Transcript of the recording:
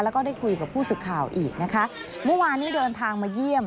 แล้วก็ได้คุยกับผู้สื่อข่าวอีกนะคะเมื่อวานนี้เดินทางมาเยี่ยม